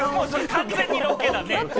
完全にロケだね。